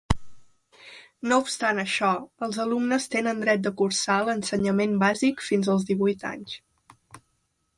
No obstant això, els alumnes tenen dret de cursar l'Ensenyament Bàsic fins als divuit anys.